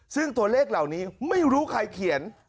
ซึ่งตัวเลขเหล่านี้ไม่รู้ใครเขียน